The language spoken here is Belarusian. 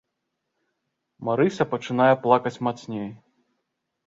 Марыся пачынае плакаць мацней.